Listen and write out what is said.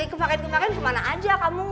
kemarin kemarin kemana aja kamu